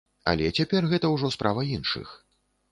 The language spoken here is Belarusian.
Але цяпер гэта ўжо справа іншых.